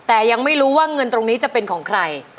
แต่ยังไม่รู้ว่าเงินตรงนี้จะเป็นของใคร